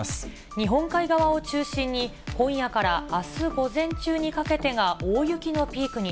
日本海側を中心に、今夜からあす午前中にかけてが大雪のピークに。